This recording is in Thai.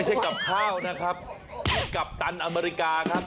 ไม่ใช่กับข้าวนะครับพี่กับตันอเมริกาครับ